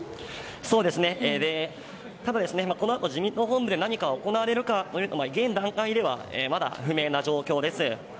ただ、このあと自民党本部で何か行われるかは現段階ではまだ不明な状況です。